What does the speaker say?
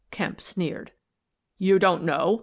Kemp sneered. " You don't know?